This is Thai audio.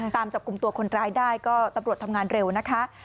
ตามจับกลุ่มตัวคนร้ายได้ก็ตำรวจทำงานเร็วนะคะ